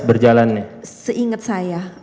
berjalannya seinget saya